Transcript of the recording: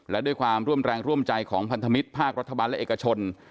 และด้วยความร่วมแรงร่วมใจของพันธมิตรภาครัฐบาลและเอกชน